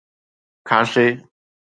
خاصي